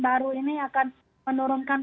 baru ini akan menurunkan